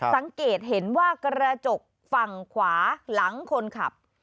สังเกตเห็นว่ากระจกฝั่งขวาหลังคนขับ